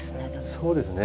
そうですね。